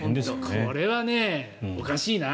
これはおかしいな。